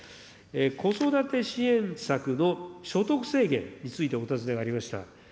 子育て支援策の所得制限についてお尋ねがありました。